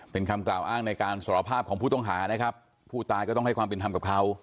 เป็นคำกล่าวอ้างในการสารภาพของผู้ต้องหานะครับผู้ตายก็ต้องให้ความเป็นธรรมกับเขา